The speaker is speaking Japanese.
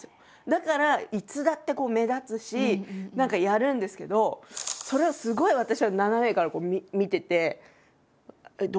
だからいつだって目立つし何かやるんですけどそれをすごい私は斜めから見ててえっ？